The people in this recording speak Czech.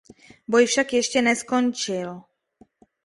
Boj však ještě neskončil.